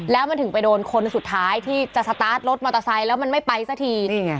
แล้วมันถึงไปโดนคนสุดท้ายที่จะสตาร์ทรถมอเตอร์ไซค์แล้วมันไม่ไปสักที